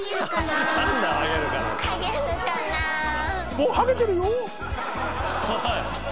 ・もうハゲてるよ。